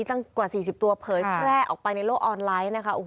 จังกว่า๔๐ตัวเผยแพร่ออกไปในโลกออนไลน์นะคะ